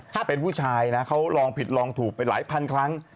ถ้าเป็นผู้ชายนะเขาลองผิดลองถูกไปหลายพันครั้ง